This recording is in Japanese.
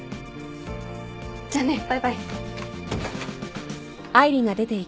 じゃあね。バイバイ。